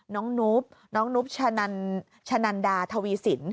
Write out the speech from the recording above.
น้องนุ๊ปชะนันดาทวีสิน